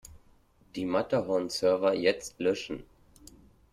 Die Matterhorn-Server jetzt löschen!